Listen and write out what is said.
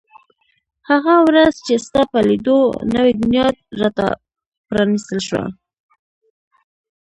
هغه ورځ چې ستا په لیدو نوې دنیا را ته پرانیستل شوه.